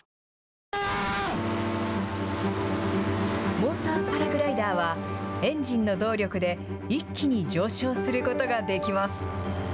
モーターパラグライダーは、エンジンの動力で一気に上昇することができます。